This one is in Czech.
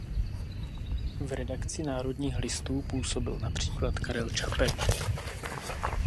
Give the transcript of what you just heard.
V redakci Národních listů působil například Karel Čapek.